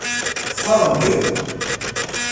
Xtaṛen-kem?